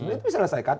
itu bisa diselesaikan